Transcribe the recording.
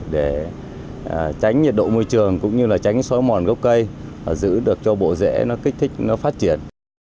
để tránh nhiệt độ môi trường cũng như tránh xói mòn gốc cây giữ được cho bộ rễ kích thích phát triển